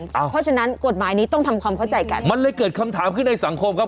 เพราะฉะนั้นกฎหมายนี้ต้องทำความเข้าใจกันมันเลยเกิดคำถามขึ้นในสังคมครับ